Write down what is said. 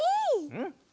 うん。